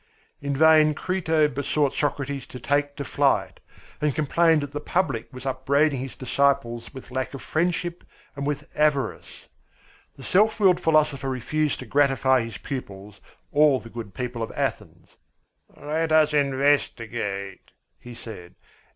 In vain Crito besought Socrates to take to flight, and complained that the public, was upbraiding his disciples with lack of friendship and with avarice. The self willed philosopher refused to gratify his pupils or the good people of Athens. "Let us investigate." he said.